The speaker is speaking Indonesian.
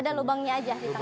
ada lubangnya aja